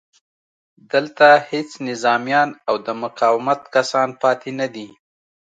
دلته هېڅ نظامیان او د مقاومت کسان پاتې نه دي